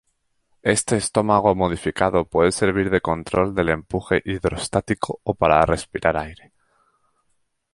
Este estómago modificado puede servir de control del empuje hidrostático o para respirar aire.